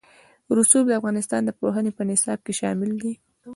رسوب د افغانستان د پوهنې په نصاب کې شامل دي.